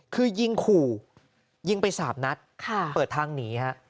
คือยิงขู่ยิงไป๓นัดเปิดทางหนีฮะ